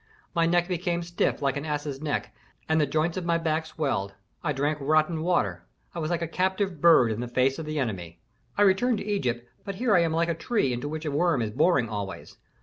My neck became stiff, like an ass's neck, and the joints of my back swelled. I drank rotten water, I was like a captive bird in the face of the enemy. "I returned to Egypt, but here I am like a tree into which a worm is boring always.